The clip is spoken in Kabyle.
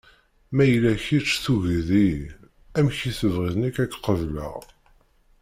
Ma yella kečč tugiḍ-iyi, amek i tebɣiḍ nekk ad k-qebleɣ.